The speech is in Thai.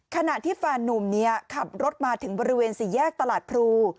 ขณะที่แฟนนุ่มขับรถมาถึงบริเวณสี่แยกตลาดพรู